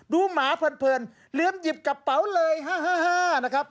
ดูหมาเพลินลืมหยิบกระเป๋าเลยมาก